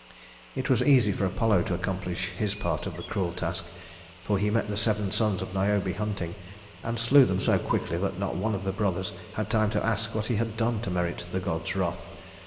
It was easy for Apollo to accomplish his part of the cruel task, for he met the seven sons of Niobe hunting, and slew them so quickly that not one of the brothers had time to ask what he had done to merit the god's wrath.